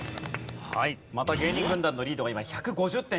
また芸人軍団のリードが今１５０点。